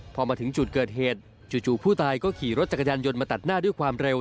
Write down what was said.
พอมาถึงจุดเกิดเหตุจู่ผู้ตายก็ขี่รถจักรยานยนต์มาตัดหน้าด้วยความเร็ว